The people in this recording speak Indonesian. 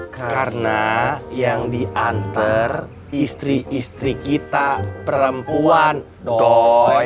karena yang diantar istri istri kita perempuan doi